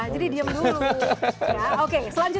jadi diam dulu